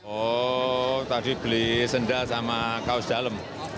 oh tadi beli sendal sama kaos dalam